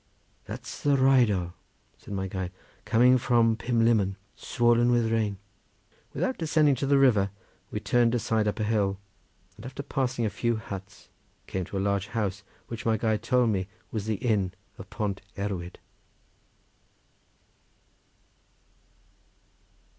"That's the Rheidol," said my guide, "coming from Pumlimmon, swollen with rain." Without descending to the river we turned aside up a hill, and after passing by a few huts came to a large house, which my guide told me was the inn of Pont Erwyd.